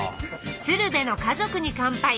「鶴瓶の家族に乾杯」。